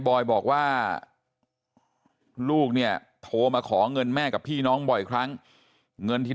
บอยบอกว่าลูกเนี่ยโทรมาขอเงินแม่กับพี่น้องบ่อยครั้งเงินที่